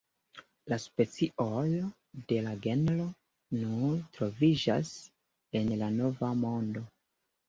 La specioj de la genro nur troviĝas en la Nova Mondo.